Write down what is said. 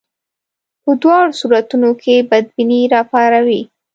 په دواړو صورتونو کې بدبیني راپاروي.